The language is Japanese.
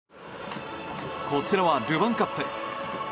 こちらはルヴァンカップ。